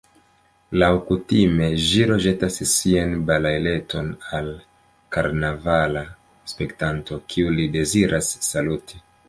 Laŭkutime ĵilo ĵetas sian balaileton al karnavala spektanto, kiun li deziras saluti.